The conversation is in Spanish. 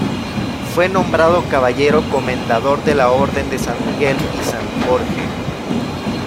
Fue nombrado caballero comendador de la Orden de San Miguel y San Jorge.